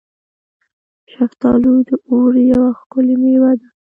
شفتالو د اوړي یوه ښکلې میوه ده.